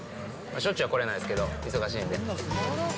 しょっちゅうは来れないんですけど、忙しいんで。